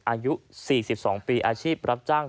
อายุ๔๒ปีอาชีพรับจ้าง